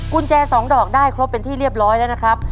กุญแจสองดอกได้ครบเป็นที่เรียบร้อยแล้วนะครับ